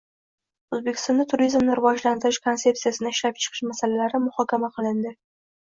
O‘zbekistonda turizmni rivojlantirish konsepsiyasini ishlab chiqish masalalari muhokama qilindi